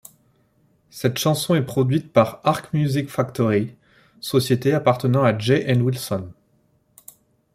Cette chanson est produite par Ark Music Factory, société appartenant à Jey and Wilson.